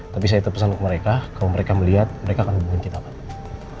tapi saya itu pesan ke mereka kalau mereka melihat mereka akan hubungi kita pak